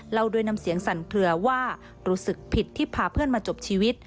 เล่าด้วยน้ำเสียงสั่นเคลือว่ารู้สึกผิดที่พาเพื่อนมาจบชีวิต